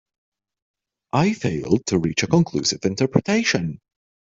I failed to reach a conclusive interpretation.